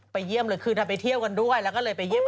เยี่ยมเลยคือนำไปเที่ยวกันด้วยแล้วก็เลยไปเยี่ยม